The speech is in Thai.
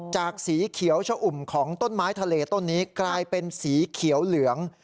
สีเขียวชะอุ่มของต้นไม้ทะเลต้นนี้กลายเป็นสีเขียวเหลือง